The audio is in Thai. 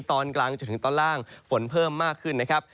ตอนกลางจนถึงตอนล่างฝนเพิ่มมากขึ้นนะครับ